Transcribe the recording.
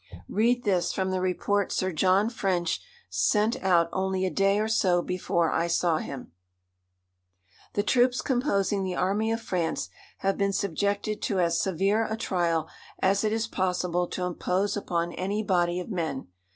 Read this, from the report Sir John French sent out only a day or so before I saw him: "The troops composing the Army of France have been subjected to as severe a trial as it is possible to impose upon any body of men.